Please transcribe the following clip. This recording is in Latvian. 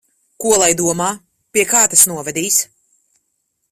Ko lai domā? Pie kā tas novedīs?